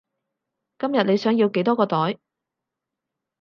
今日你想要幾多個袋？